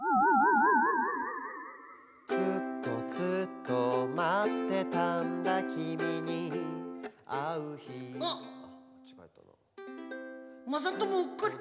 「ずっとずっとまってたんだきみにあうひ」あっまさとも。